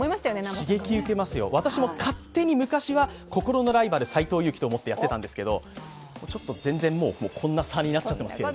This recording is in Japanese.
刺激受けますよ、私も勝手に昔は心のライバル・斎藤佑樹と思ってたんですがちょっと全然、こんな差になっちゃってますけど。